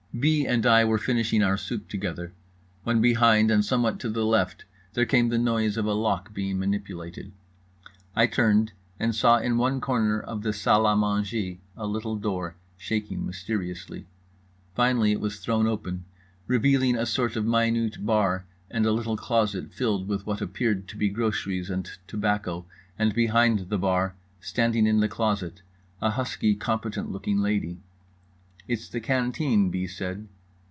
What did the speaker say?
B. and I were finishing our soup together when behind and somewhat to the left there came the noise of a lock being manipulated. I turned and saw in one corner of the salle à manger a little door, shaking mysteriously. Finally it was thrown open, revealing a sort of minute bar and a little closet filled with what appeared to be groceries and tobacco; and behind the bar, standing in the closet, a husky, competent looking lady. "It's the canteen," B. said.